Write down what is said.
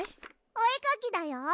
おえかきだよ。